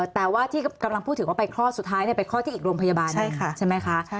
แต่ว่าที่กำลังพูดถึงว่าไปคลอดสุดท้ายไปคลอดที่อีกโรงพยาบาลใช่ไหมคะ